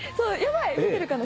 見てるかな？